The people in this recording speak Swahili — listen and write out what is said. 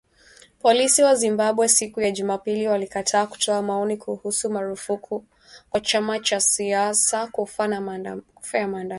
Polisi wa Zimbabwe, siku ya Jumapili walikataa kutoa maoni kuhusu marufuku kwa chama cha siasa kufa ya maandamano